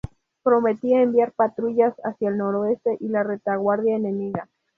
Prometía enviar patrullas hacia el noreste y la retaguardia enemiga.